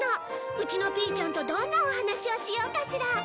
うちのピーちゃんとどんなお話をしようかしら？